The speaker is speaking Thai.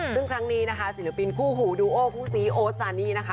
ซึ่งครั้งนี้นะคะศิลปินคู่หูดูโอคู่ซีโอ๊ตซานี่นะคะ